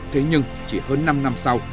thế nhưng chỉ hơn năm năm sau